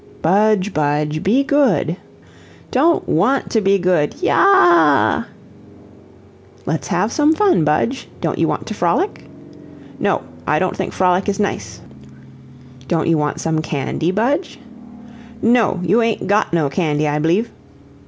"Budge, Budge, be good." "Don't WANT to be good YA A A." "Let's have some fun, Budge don't you want to frolic?" "No; I don't think frolic is nice." "Don't you want some candy, Budge?" "No you ain't GOT no candy, I bleeve."